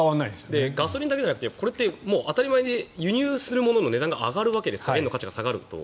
ガソリンだけじゃなくて当たり前に輸入するものの値段が上がるわけですから円の価値が下がると。